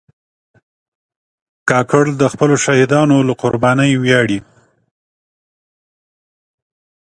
کاکړ د خپلو شهیدانو له قربانۍ ویاړي.